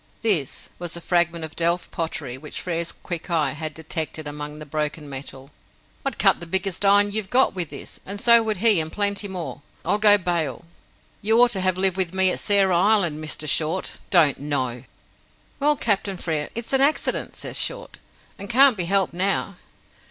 "This" was a fragment of delft pottery which Frere's quick eye had detected among the broken metal. "I'd cut the biggest iron you've got with this; and so would he and plenty more, I'll go bail. You ought to have lived with me at Sarah Island, Mr. Short. Don't know!" "Well, Captain Frere, it's an accident," says Short, "and can't be helped now."